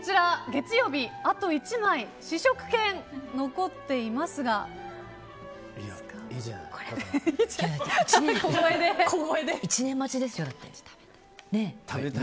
月曜日あと１枚、試食券残っていますがだって１年待ちですよ。